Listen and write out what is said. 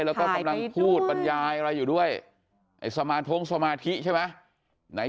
หายไปด้วยใช่แล้วก็พูดบรรยายอะไรอยู่ด้วยสมาธงสมาธิใช่ไหม